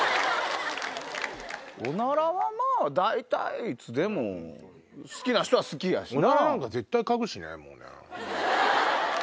オナラは大体いつでも好きな人は好きやしな。